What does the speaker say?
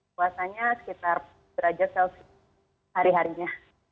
puasanya sekitar empat puluh derajat celcius hari harinya